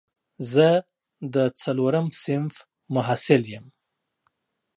زه د څلورم صنف محصل یم